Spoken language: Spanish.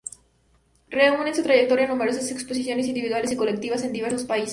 Reúne en su trayectoria numerosas exposiciones individuales y colectivas en diversos países.